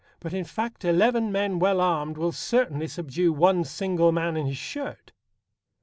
But, in fact, eleven men well armed will certainly subdue one single man in his shirt.